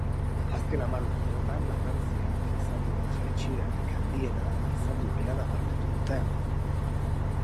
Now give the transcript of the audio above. Azken hamar urteotan langabeziak izan duen jaitsierarik handiena izan duela nabarmendu dute.